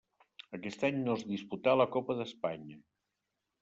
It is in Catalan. Aquest any no es disputà la Copa d'Espanya.